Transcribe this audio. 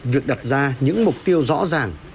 việc đặt ra những mục tiêu rõ ràng